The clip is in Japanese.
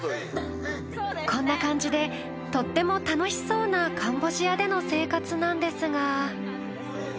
こんな感じでとっても楽しそうなカンボジアでの生活なんですが。